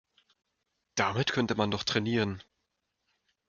Damit könnte man doch trainieren.